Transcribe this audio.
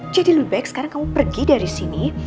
jadi lebih baik sekarang kamu pergi dari sini